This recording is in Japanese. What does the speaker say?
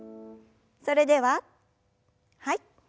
それでははい。